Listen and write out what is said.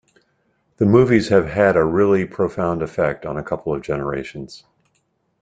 The movies have had a really profound effect on a couple of generations.